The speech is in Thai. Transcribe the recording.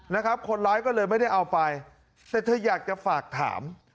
นะครับคนร้ายก็เลยไม่ได้เอาไปแต่เธออยากจะฝากถาม